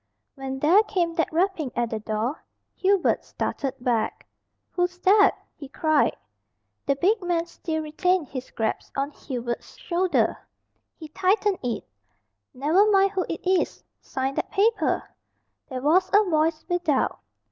When there came that rapping at the door, Hubert started back. "Who's that?" he cried. The big man still retained his grasp on Hubert's shoulder. He tightened it. "Never mind who it is. Sign that paper." There was a voice without.